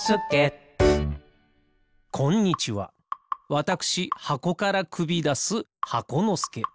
わたくしはこからくびだす箱のすけ。